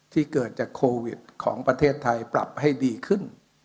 ที่เกิดจากโควิดของประเทศไทยปรับให้ดีขึ้น